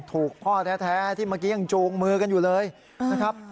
ถูกพ่อแท้ที่เมื่อกี้ยังจูงมือกันอยู่เลยนะครับ